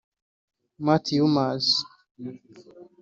Matt Hummels